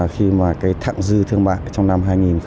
khi mà cái thặng dư thương mại trong năm hai nghìn một mươi bảy